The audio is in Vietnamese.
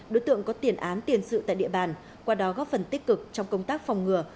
đối tượng có tiền án tiền sự tại địa bàn qua đó góp phần tích cực trong công tác phòng ngừa